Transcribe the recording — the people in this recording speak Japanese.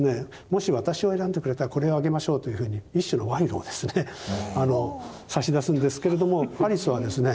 もし私を選んでくれたらこれをあげましょうというふうに一種の賄賂をですね差し出すんですけれどもパリスはですね